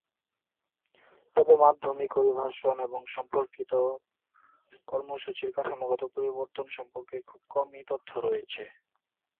তবে, মাধ্যমিক অভিবাসন এবং সম্পর্কিত কর্মসূচীর কাঠামোগত পরিবর্তন সম্পর্কে খুব কম তথ্যই রয়েছে।